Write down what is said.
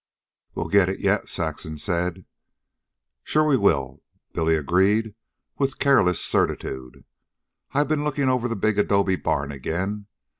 "We'll get it yet," Saxon said. "Sure we will," Billy agreed with careless certitude. "I've ben lookin' over the big adobe barn again.